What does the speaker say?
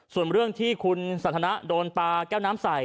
ส่วนเรื่องที่คุณสันทนาโดนปลาแก้วน้ำใส่